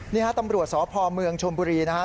นี่ฮะตำรวจสอบภอมเมืองชมบุรีนะฮะ